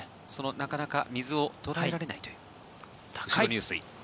なかなか水を捉えられないという難しい入水。